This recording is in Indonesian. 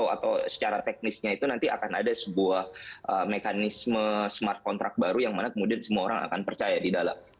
atau secara teknisnya itu nanti akan ada sebuah mekanisme smart contract baru yang mana kemudian semua orang akan percaya di dalam